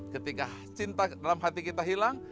ketika cinta dalam hati kita hilang